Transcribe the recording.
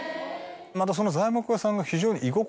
またその材木屋さんが。